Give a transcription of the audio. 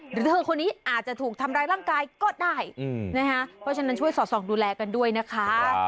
หรือเธอคนนี้อาจจะถูกทำร้ายร่างกายก็ได้นะคะเพราะฉะนั้นช่วยสอดส่องดูแลกันด้วยนะคะ